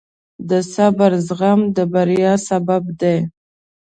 د صبر زغم د بریا سبب دی.